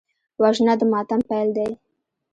وژنه د ماتم پیل دی